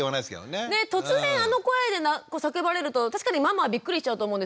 ねっ突然あの声で何か叫ばれると確かにママはびっくりしちゃうと思うんですけど。